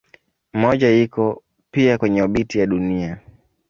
Mmoja iko pia kwenye obiti ya Dunia.